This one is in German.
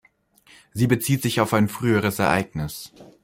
Sie bezieht sich auf ein früheres Ereignis.